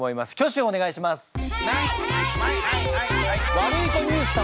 ワルイコニュース様。